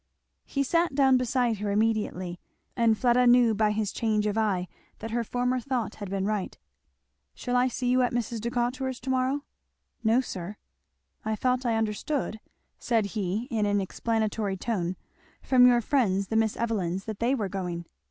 He sat down beside her immediately, and Fleda knew by his change of eye that her former thought had been right. "Shall I see you at Mrs. Decatur's to morrow?" "No, sir." "I thought I understood," said he in an explanatory tone, "from your friends the Miss Evelyns, that they were going."